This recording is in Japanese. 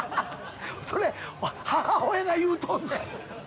それ母親が言うとんねん。